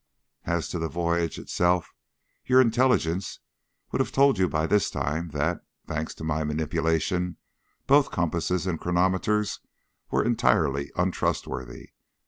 "As to the voyage itself, your intelligence will have told you by this time that, thanks to my manipulation, both compasses and chronometers were entirely untrustworthy.